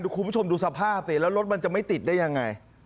คุณผู้ชมดูสภาพสิแล้วรถมันจะไม่ติดได้ยังไง